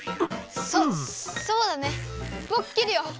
そそうだねぼく切るよ！